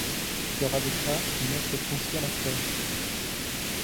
Leur avocat est Me François Lafforgue.